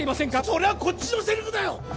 それはこっちのセリフだよ